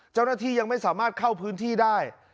เจ้าหน้าที่ยังไม่สามารถเข้าพื้นที่ได้